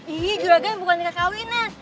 iya juga gue yang bukan ke kawinan